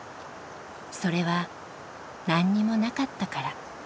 それは何にもなかったから。